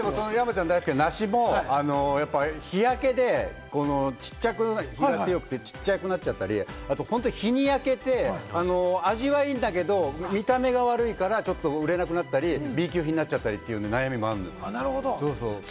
山ちゃんが大好きな梨も日焼けで小さく、小さくなっちゃったり、日に焼けて味はいいんだけれども、見た目が悪いから売れなくなったり、Ｂ級品になっちゃったりという悩みもあるんです。